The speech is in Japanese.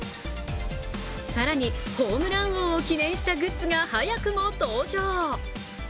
更にホームラン王を記念したグッズが早くも登場。